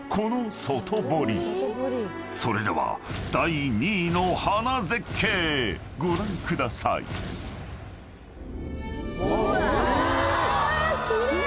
［それでは第２位の花絶景ご覧ください］うわ！